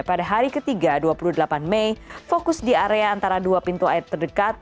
pada hari ketiga dua puluh delapan mei fokus di area antara dua pintu air terdekat